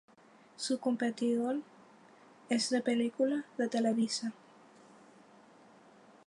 Su competidor es De Película, de Televisa.